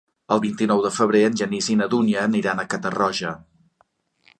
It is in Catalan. El vint-i-nou de febrer en Genís i na Dúnia aniran a Catarroja.